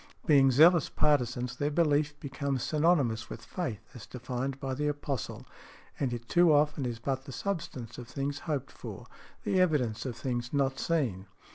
... Being zealous partisans their belief becomes synonymous with faith as defined by the apostle, and it too often is but the substance of things hoped for, the evidence of things not seen" .